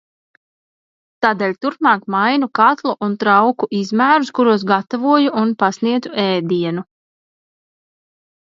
Tādēļ turpmāk mainu katlu un trauku izmērus, kuros gatavoju un pasniedzu ēdienu.